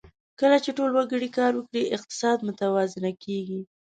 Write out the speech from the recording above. کله چې ټول وګړي کار وکړي، اقتصاد متوازن کېږي.